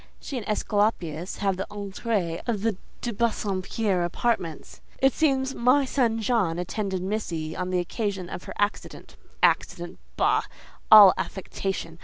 She and Esculapius have the entrée of the de Bassompierre apartments: it seems 'my son John' attended missy on the occasion of her accident—Accident? Bah! All affectation!